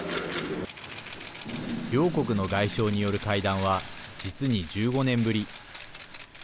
両国の外相による会談は実に１５年ぶり。